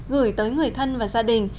gửi tới người thân và gia đình